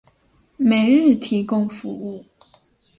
每日提供服务。